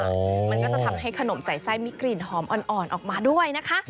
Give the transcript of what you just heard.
มันก็จะทำให้ขนมใส่ไส้มีกลิ่นหอมอ่อนออกมาด้วยนะคะ